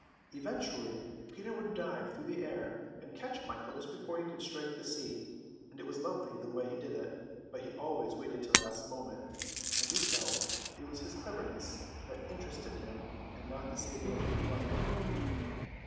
Eventually Peter would dive through the air, and catch Michael just before he could strike the sea, and it was lovely the way he did it; but he always waited till the last moment, and you felt it was his cleverness that interested him and not the saving of human life.